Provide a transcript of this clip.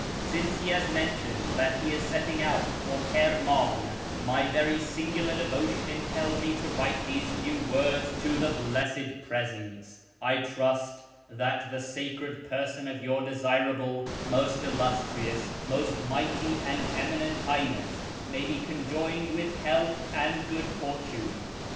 Since he has mentioned that he is setting out for Kirmiin, my very singular devotion impelled me to write these few words to the Blessed Presence. I trust that the sacred person of Your desirable, most illustrious, most mighty, and eminent Highness may be conjoined with health and good fortune.